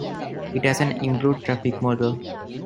It has an improved traffic model.